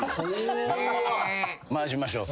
回しましょう。